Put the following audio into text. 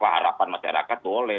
harapan masyarakat boleh